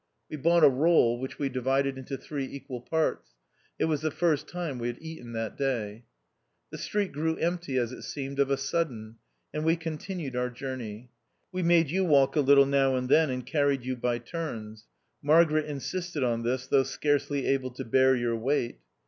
We bought a roll, which we divided into three equal parts. It was the first time we had eaten that day. The street grew empty, as it seemed, of a sudden, and we continued our journey. We made you walk a little now and then, and carried you by turns. Margaret insisted on this, though scarcely able to bear your weight.